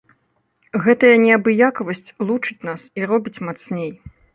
Гэтая неабыякавасць лучыць нас і робіць мацней.